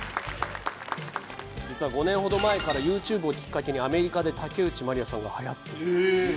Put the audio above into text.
実は５年ほど前からユーチューブをきっかけにアメリカで竹内まりやさんがはやっているという事で。